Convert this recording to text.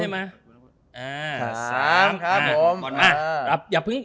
ไม่คุ้น